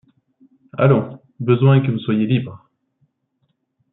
Allons! besoing est que vous soyez libre...